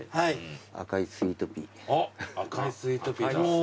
おっ『赤いスイートピー』だ。